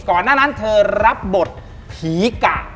หน้านั้นเธอรับบทผีกะ